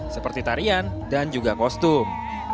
seperti tarian dan juga kostum